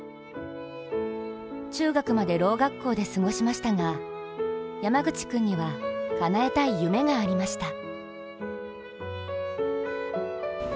中学まで、ろう学校で過ごしましたが山口君には、かなえたい夢がありました。